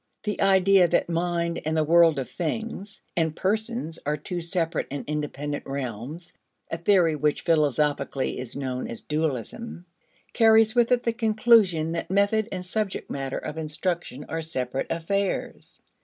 The idea that mind and the world of things and persons are two separate and independent realms a theory which philosophically is known as dualism carries with it the conclusion that method and subject matter of instruction are separate affairs.